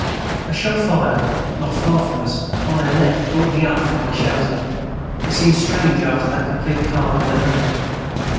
A shot fired, not far from us, on our left brought me up from my shelter. It seemed strange after the complete calm of that night.